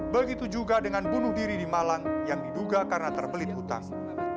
begitu juga dengan bunuh diri di malang yang diduga karena terbelit hutang